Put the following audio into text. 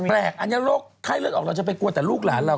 อันนี้โรคไข้เลือดออกเราจะไปกลัวแต่ลูกหลานเรา